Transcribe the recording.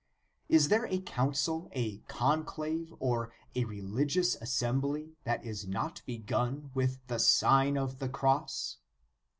Is there a. council, a conclave, or a religious assembly that is not begun with the Sign of the Cross